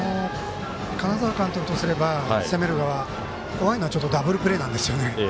金沢監督とすれば攻める側怖いのはダブルプレーなんですよ。